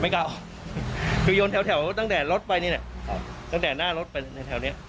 ไม่กล้าออกคือโยนแถวตั้งแต่รถไปนี่แหละตั้งแต่หน้ารถไปแถวนี้